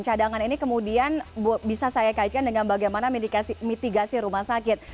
cadangan ini kemudian bisa saya kaitkan dengan bagaimana mitigasi rumah sakit